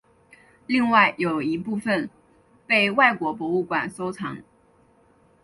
另外有一部份被外国博物馆收藏。